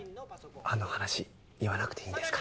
あの話言わなくていいんですか？